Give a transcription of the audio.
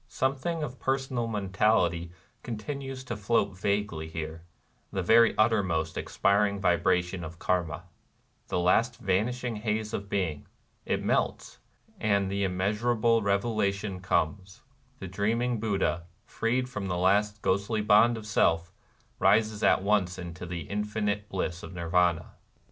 Something of personal mentality continues to float vaguely here, — the very uttermost expiring vibration of Karma, — the last vanishing haze of being. It melts ;— and the immeasurable revelation comes. The dreaming Buddha, freed from the last ghostly bond of Self, rises at once into the " infinite bliss " of Nirvana.